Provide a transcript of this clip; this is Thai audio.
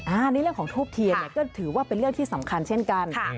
อันนี้เรื่องของทูบเทียนเนี่ยก็ถือว่าเป็นเรื่องที่สำคัญเช่นกัน